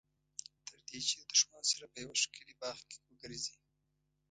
تر دې چې د دښمن سره په یوه ښکلي باغ کې وګرځي.